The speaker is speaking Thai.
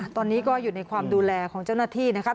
ตอนนี้ก็อยู่ในความดูแลของเจ้าหน้าที่นะครับ